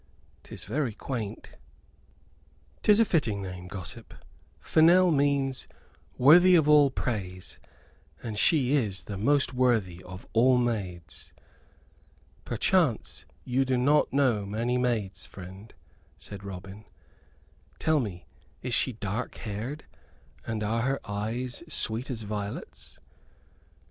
'Tis very quaint." "'Tis a fitting name, gossip. Fennel means 'Worthy of all praise,' and she is the most worthy of all maids." "Perchance you do not know many maids, friend," said Robin. "Tell me, is she dark haired, and are her eyes sweet as violets?"